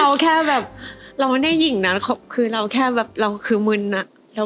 เขาแค่แบบเราไม่ได้หญิงนะคือเราแค่แบบเราคือมึนอะ